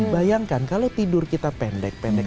bayangkan kalau tidur kita pendek pendek